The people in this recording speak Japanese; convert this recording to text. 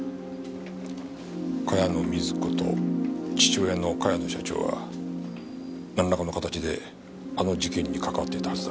茅野瑞子と父親の茅野社長はなんらかの形であの事件に関わってたはずだ。